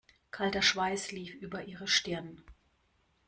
Kalter Schweiß lief über ihre Stirn.